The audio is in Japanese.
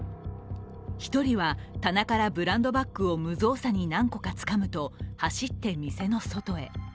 １人は棚からブランドバッグを無造作に何個かつかむと、走って店の外へ。